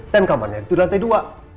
ten kamarnya itu di lantai dua